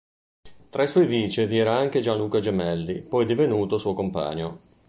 Tra i suoi vice vi era anche Gianluca Gemelli, poi divenuto suo compagno.